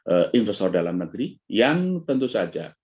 dan juga preferensi investor dalam negeri yang tentu saja bisa menerima